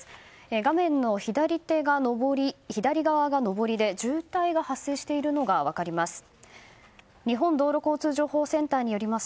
画面の左側が上りで渋滞が発生しているのが分かります。